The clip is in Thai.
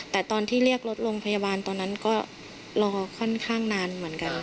แต่ตอนที่เรียกรถโรงพยาบาลตอนนั้นก็รอค่อนข้างนานเหมือนกัน